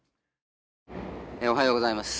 おはようございます。